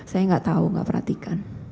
saya enggak tahu enggak perhatikan